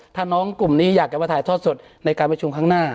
ถ้าน้องกลุ่มนี้อยากจะมาถ่ายทอดสดในการประชุมข้างหน้า